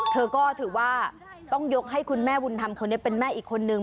เธอก็ถือว่าต้องยกให้คุณแม่บุญธรรมคนนี้เป็นแม่อีกคนนึง